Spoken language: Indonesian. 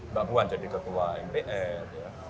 mbak puan jadi ketua mpr ya